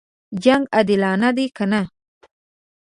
جنګ عادلانه دی کنه.